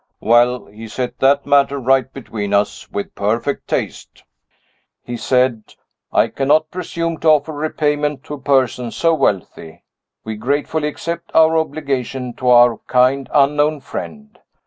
"Well, he set that matter right between us with perfect taste. He said: 'I cannot presume to offer repayment to a person so wealthy. We gratefully accept our obligation to our kind unknown friend.